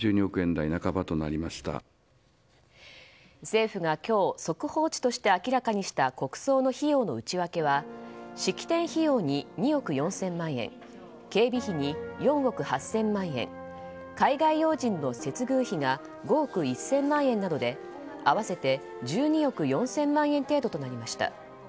政府が今日、速報値として明らかにした国葬の費用の内訳は式典費用に２億４０００万円警備費に４億８０００万円海外要人の接遇費が５億１０００万円などで合わせて１２億４０００万円程度となりました。